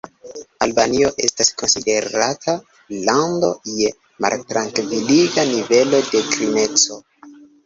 Albanio estas konsiderata lando je maltrankviliga nivelo de krimeco.